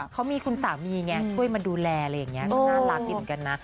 เขามีคุณสามีเนี่ยช่วยมาดูแลน่ารักเหมือนกันนะ